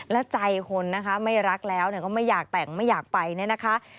และใจคนนะคะไม่รักแล้วก็ไม่อยากแต่งไม่อยากไปเนี่ยนะคะ